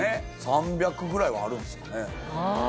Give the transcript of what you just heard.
３００ぐらいはあるんすかねああ